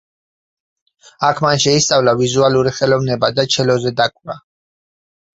აქ მან შეისწავლა ვიზუალური ხელოვნება და ჩელოზე დაკვრა.